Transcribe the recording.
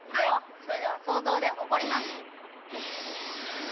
それでは想像で怒ります！